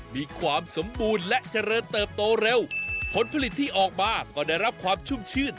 มีความสมบูรณ์และเจริญเติบโตเร็วผลผลิตที่ออกมาก็ได้รับความชุ่มชื่น